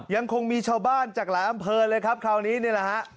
ยังคงมีชาวบ้านจากหลายอำเภอเลยครับคราวนี้นี่แหละฮะ